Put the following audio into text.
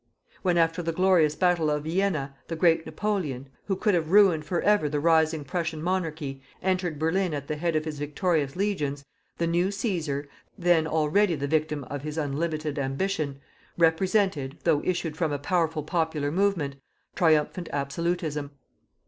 When after the glorious battle of Iena, the great Napoleon, who could have ruined for ever the rising Prussian monarchy, entered Berlin at the head of his victorious legions, the new Cæsar, then already the victim of his unlimited ambition, represented, though issued from a powerful popular movement, triumphant absolutism.